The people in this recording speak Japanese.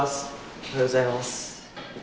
おはようございます。